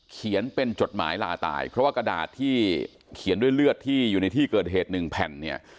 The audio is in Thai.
เขียนเป็นจดหมายลาตายเพราะว่ากระดาษที่เขียนด้วยเลือดที่อยู่ในที่เกิดเหตุหนึ่งแผ่นเนี่ย